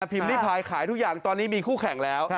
พิมพ์ริพายขายทุกอย่างตอนนี้มีคู่แข่งแล้ว